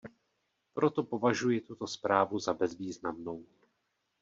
Proto považuji tuto zprávu za bezvýznamnou.